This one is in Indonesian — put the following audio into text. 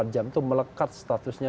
dua puluh empat jam itu melekat statusnya